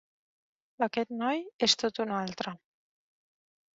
Aquest noi és tot un altre.